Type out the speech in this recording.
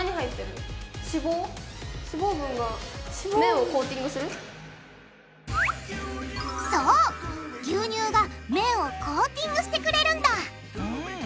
脂肪分がそう牛乳が麺をコーティングしてくれるんだ。